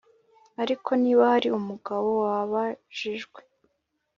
ariko niba hari umugabo wabajijwe